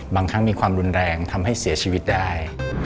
บางครั้งมีความรุนแรงทำให้เสียชีวิตได้